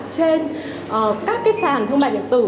trên các cái sản thương mại điện tử